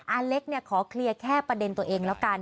อเล็กขอเคลียร์แค่ประเด็นตัวเองแล้วกัน